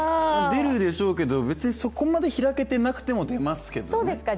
出るでしょうけどそこまで開けてなくても出ますけどね。